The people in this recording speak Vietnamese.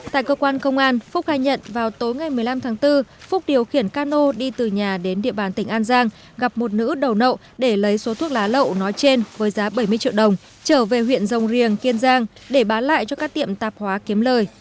tại cơ quan công an phúc khai nhận vào tối ngày một mươi năm tháng bốn phúc điều khiển cano đi từ nhà đến địa bàn tỉnh an giang gặp một nữ đầu nậu để lấy số thuốc lá lậu nói trên với giá bảy mươi triệu đồng trở về huyện rồng riềng kiên giang để bán lại cho các tiệm tạp hóa kiếm lời